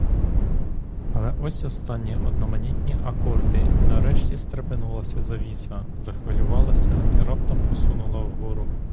Але ось останні одноманітні акорди, і нарешті стрепенулася завіса, захвилювалася і раптом посунула вгору.